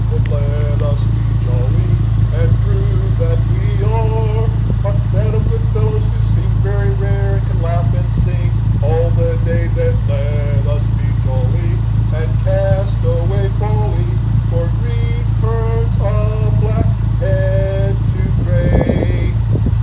Then let us be jolly, and prove that we are A set of good fellows, who seem very rare, And can laugh and sing all the day. Then let us be jolly And cast away folly, For grief turns a black head to gray."